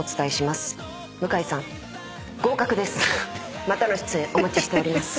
またの出演お待ちしております。